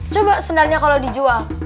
coba sendalnya kalau dijual